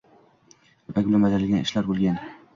Ipak bilan bajarilgan ishlar bo’lgan.